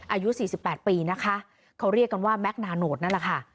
อายุ๔๘ปีนะคะเขาเรียกกันว่าแม็กนาโนสนั่นแหละค่ะ